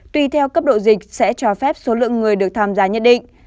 tùy theo cấp độ dịch sẽ cho phép số lượng người được tham gia nhất định